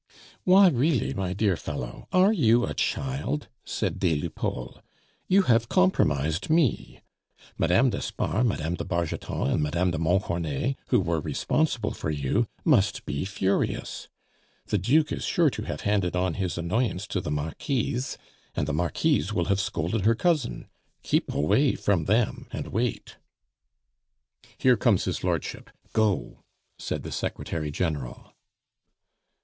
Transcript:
"Why, really, my dear fellow, are you a child?" said des Lupeaulx. "You have compromised me. Mme. d'Espard, Mme. de Bargeton, and Mme. de Montcornet, who were responsible for you, must be furious. The Duke is sure to have handed on his annoyance to the Marquise, and the Marquise will have scolded her cousin. Keep away from them and wait." "Here comes his lordship go!" said the Secretary General.